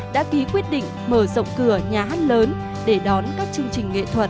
đã ký quyết định mở rộng cửa nhà hát lớn để đón các chương trình nghệ thuật